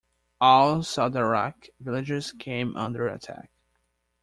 All Sadarak villages came under attack.